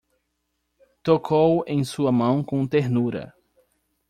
Tocou em sua mão com ternura